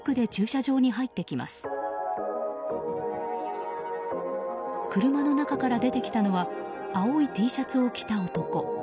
車の中から出てきたのは青いＴシャツを着た男。